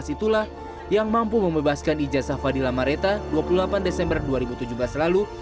situlah yang mampu membebaskan ijazah fadila mareta dua puluh delapan desember dua ribu tujuh belas lalu